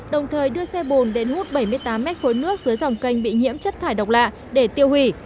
đồng thời đưa xe bồn đến hút bảy mươi tám m ba nước dưới dòng kênh bị nhiễm chất thải độc lạ để tiêu hủy